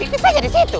itu saja di situ